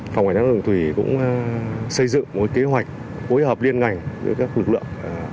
phòng hành trang đường thủy cũng xây dựng một kế hoạch hối hợp liên ngành với các lực lượng